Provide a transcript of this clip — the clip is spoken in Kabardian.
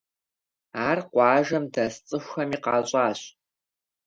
Ар къуажэм дэс цӀыхухэми къащӀащ.